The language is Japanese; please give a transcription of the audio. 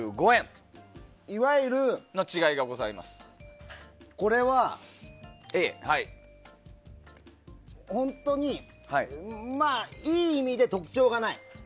いわゆる、Ａは本当に、いい意味で特徴がない。